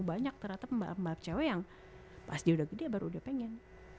banyak ternyata pembalap pembalap cewek yang pas dia udah gede baru udah pengen